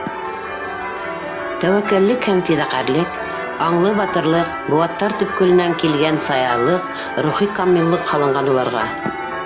Тәүәккәллек һәм фиҙаҡәрлек, аңлы батырлыҡ, быуаттар төпкөлөнән килгән саялыҡ, рухи камиллыҡ һалынған уларға.